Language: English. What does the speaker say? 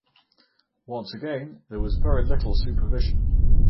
Once again there was very little supervision.